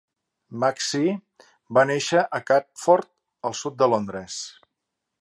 McShee va néixer a Catford, al sud de Londres.